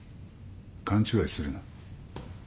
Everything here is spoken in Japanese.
勘違いするな。